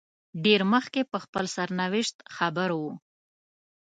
ډېر مخکې په خپل سرنوشت خبر وو.